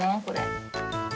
これ。